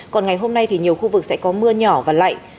còn ngày hôm nay thì nhiều khu vực sẽ có mưa nhỏ và lạnh